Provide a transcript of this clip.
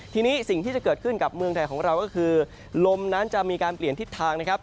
ทีนี้สิ่งที่จะเกิดขึ้นกับเมืองไทยของเราก็คือลมนั้นจะมีการเปลี่ยนทิศทางนะครับ